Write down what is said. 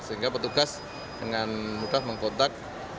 sehingga petugas dengan mudah mengkontak